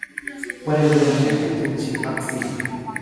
บริเวณแขนที่ถูกฉีดวัคซีน